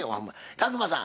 宅麻さん